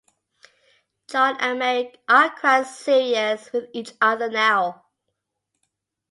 John and Mary are quite serious with each other now.